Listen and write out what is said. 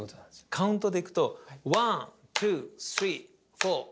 カウントでいくとワントゥースリーフォーがこれ表なの。